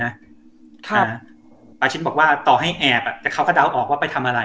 อาชิตบอกว่าต่อให้แอบอ่ะแต่เขาก็เดาออกว่าไปทำอะไร